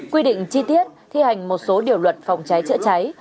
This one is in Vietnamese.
quy định chi tiết thi hành một số điều luật phòng cháy chữa cháy